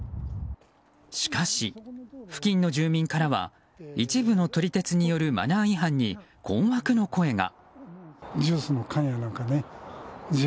しかし、付近の住民からは一部の撮り鉄によるマナー違反に困惑の声が。